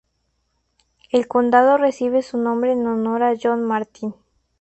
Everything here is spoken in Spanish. El condado recibe su nombre en honor a John Martin.